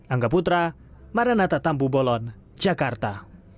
angga putra maranata tambu bolon jakarta